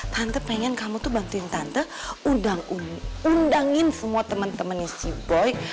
tante pengen kamu tuh bantuin tante undang undangin semua temen temennya si boy